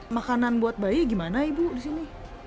makanan buat bayi gimana ibu di sini